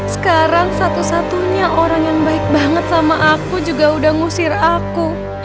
sekarang satu satunya orang yang baik banget sama aku juga udah ngusir aku